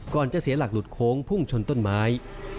จะเสียหลักหลุดโค้งพุ่งชนต้นไม้